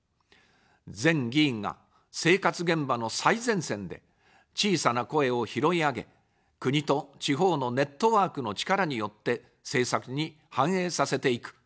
全議員が、生活現場の最前線で小さな声を拾い上げ、国と地方のネットワークの力によって政策に反映させていく。